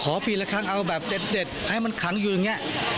ปีละครั้งเอาแบบเด็ดให้มันขังอยู่อย่างนี้